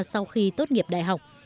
sau khi tốt nghiệp đại học